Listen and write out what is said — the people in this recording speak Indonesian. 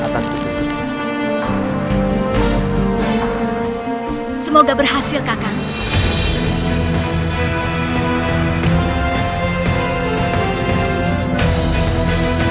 terima kasih biasa